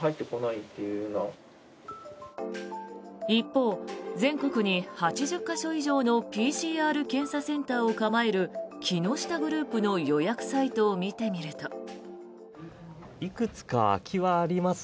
一方、全国に８０か所以上のＰＣＲ検査センターを構える木下グループの予約サイトを見てみると。